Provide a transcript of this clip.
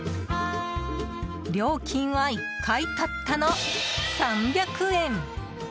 料金は、１回たったの３００円！